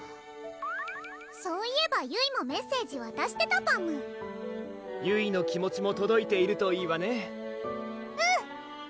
そういえばゆいもメッセージわたしてたパムゆいの気持ちもとどいているといいわねうん！